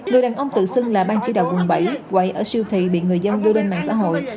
người đàn ông tự xưng là bang chỉ đạo quận bảy quầy ở siêu thị bị người dân đưa lên mạng xã hội